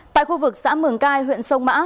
tại khu vực xã mường cai huyện sông mã